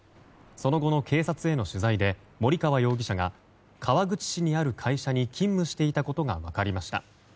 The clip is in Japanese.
その後の警察への取材で森川容疑者が川口市にある会社に勤務していたことが分かりました。